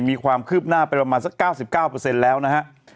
มีความคืบหน้าไปประมาณ๙๙แล้วนะครับ